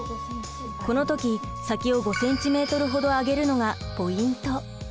この時先を５ｃｍほど上げるのがポイント。